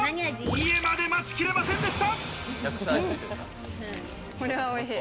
家まで待ちきれませんでした。